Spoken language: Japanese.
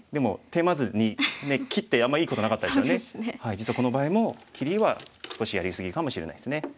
実はこの場合も切りは少しやり過ぎかもしれないですね。